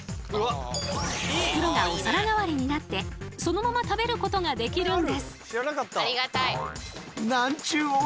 袋がお皿代わりになってそのまま食べることができるんです。